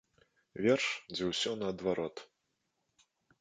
Верш, дзе ўсё наадварот.